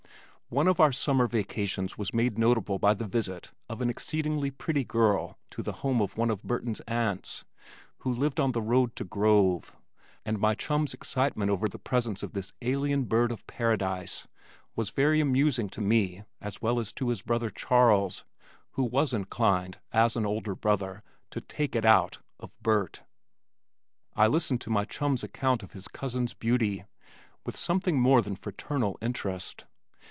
One of our summer vacations was made notable by the visit of an exceedingly pretty girl to the home of one of Burton's aunts who lived on the road to the Grove, and my chum's excitement over the presence of this alien bird of paradise was very amusing to me as well as to his brother Charles who was inclined, as an older brother, to "take it out" of Burt. I listened to my chum's account of his cousin's beauty with something more than fraternal interest.